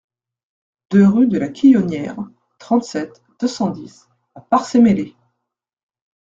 deux rue de la Quillonnière, trente-sept, deux cent dix à Parçay-Meslay